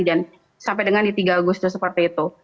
dan sampai dengan di tiga agustus seperti itu